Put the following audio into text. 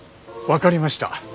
分かりました。